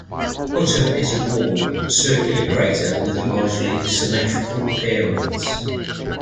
Hutton is a worn, circular crater with a largely symmetrical appearance.